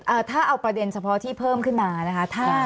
ถ้าเอาประเด็นเฉพาะที่เพิ่มขึ้นมานะคะ